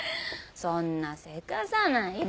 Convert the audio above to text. そんなせかさないで。